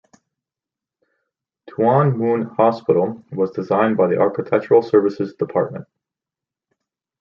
Tuen Mun Hospital was designed by the Architectural Services Department.